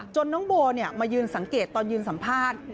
น้องโบมายืนสังเกตตอนยืนสัมภาษณ์